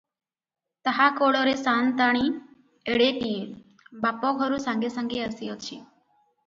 ତାହା କୋଳରେ ସାଆନ୍ତାଣୀ ଏଡ଼େଟିଏ, ବାପଘରୁ ସାଙ୍ଗେ ସାଙ୍ଗେ ଆସିଅଛି ।